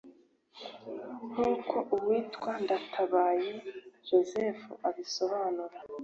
nkuko uwitwa Ndatabaye Joseph abisobanura